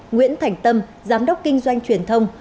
nguyễn thành tâm giám đốc kinh doanh truyền thông